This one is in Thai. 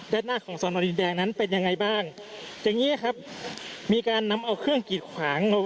ด้านหน้าของสอนอดินแดงนั้นเป็นยังไงบ้างอย่างเงี้ยครับมีการนำเอาเครื่องกีดขวาง